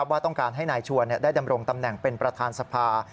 ว่าต้องการให้นายชวนได้ดำรงตำแหน่งเป็นประธานสภา